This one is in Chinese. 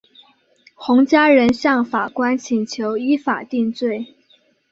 洪家人向法官请求依法定罪。